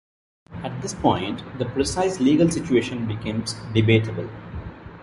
At this point, the precise legal situation becomes debatable.